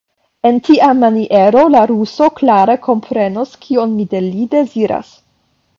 En tia maniero la ruso klare komprenos, kion mi de li deziras.